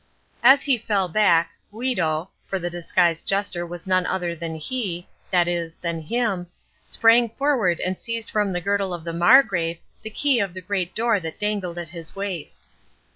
As he fell back, Guido—for the disguised jester was none other than he, that is, than him—sprang forward and seized from the girdle of the Margrave the key of the great door that dangled at his waist.